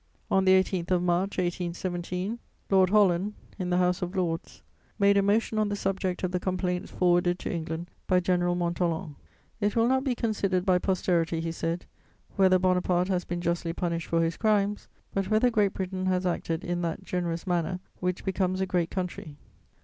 On the 18th of March 1817, Lord Holland, in the House of Lords, made a motion on the subject of the complaints forwarded to England by General Montholon: "It will not be considered by posterity," he said, "whether Bonaparte has been justly punished for his crimes, but whether Great Britain has acted in that generous manner which becomes a great country."